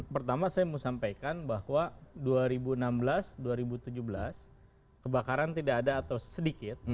pertama saya mau sampaikan bahwa dua ribu enam belas dua ribu tujuh belas kebakaran tidak ada atau sedikit